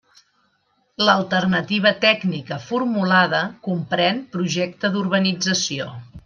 L'alternativa tècnica formulada comprén projecte d'urbanització.